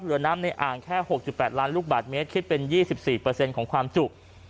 เหลือน้ำในอ่างแค่๖๘ล้านลูกบาทเมตรคิดเป็น๒๔ของความจุ